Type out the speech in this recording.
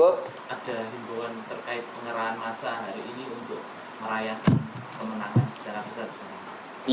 ada hubungan terkait pengerahan masa hari ini untuk merayakan kemenangan secara besar